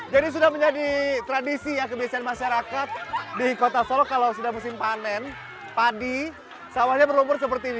jadi sudah menjadi tradisi ya kebiasaan masyarakat di kota solok kalau sudah musim panen padi sawahnya berlumpur seperti ini